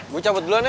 gue cabut duluan ya